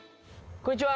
こんにちは。